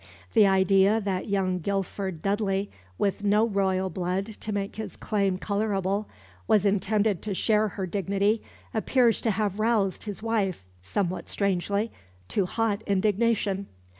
The idea that young Guilford Dudley, with no royal blood to make his claim colourable, was intended to share her dignity appears to have roused his wife, somewhat strangely, to hot indignation.